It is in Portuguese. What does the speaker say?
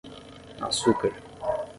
açúcar